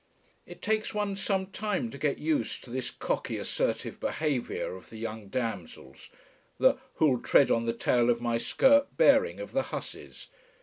It takes one some time to get used to this cocky, assertive behaviour of the young damsels, the who'll tread on the tail of my skirt bearing of the hussies.